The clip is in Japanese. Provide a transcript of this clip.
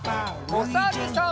おさるさん。